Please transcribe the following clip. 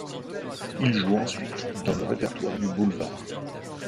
Il joue ensuite dans le répertoire du boulevard.